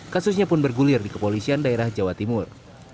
kasusnya pun bergulir di kepolisian daerah jawa timur